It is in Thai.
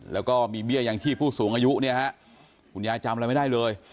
แล้วก็มีเบี้ยยังชีพผู้สูงอายุเนี่ยฮะคุณยายจำอะไรไม่ได้เลย